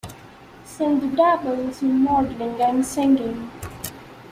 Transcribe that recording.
Sandhu dabbles in modeling and singing.